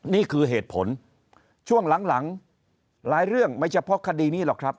นี่คือเหตุผลช่วงหลังหลายเรื่องไม่เฉพาะคดีนี้หรอกครับ